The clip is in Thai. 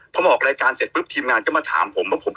พอออกรายการแล้วทีมงานก็มาถามผม